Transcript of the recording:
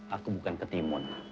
aku bukan ketimun